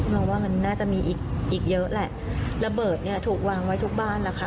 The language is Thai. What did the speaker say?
มองว่ามันน่าจะมีอีกอีกเยอะแหละระเบิดเนี้ยถูกวางไว้ทุกบ้านแหละค่ะ